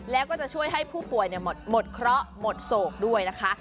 แล้วก็จะช่วยให้ผู้ป่วยหมดเคราะห์หมดโศกด้วยนะคะ